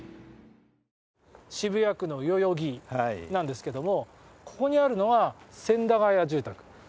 渋谷区の代々木なんですけどもここにあるのは千駄ヶ谷住宅。